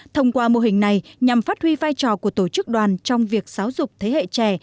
thông qua mô hình này nhằm phát huy vai trò của tổ chức đoàn trong việc giáo dục thế hệ trẻ